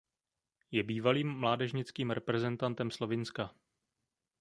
Je bývalým mládežnickým reprezentantem Slovinska.